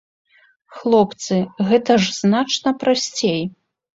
Хлопцы, гэта ж значна прасцей!